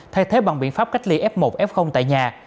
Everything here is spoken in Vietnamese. thay thế bằng biện pháp cách ly f một f tại nhà